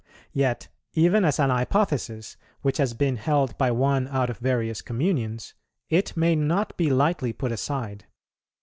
Yet even as an hypothesis, which has been held by one out of various communions, it may not be lightly put aside.